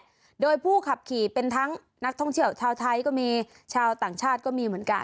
ด้วยโดยผู้ขับขี่เป็นทั้งนักท่องเที่ยวชาวไทยก็มีชาวต่างชาติก็มีเหมือนกัน